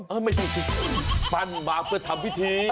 เออไม่มีสิปัญหามาทำพิธี